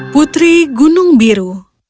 putri gunung biru